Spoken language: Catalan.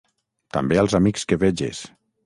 També als amics que veges.